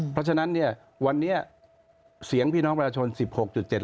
เพราะฉะนั้นเนี่ยวันนี้เสียงพี่น้องประชาชน๑๖๗